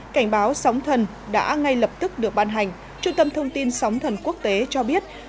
cảnh báo sóng thần đã ngay lập tức được ban hành trung tâm thông tin sóng thần quốc tế cho biết